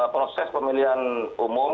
proses pemilihan umum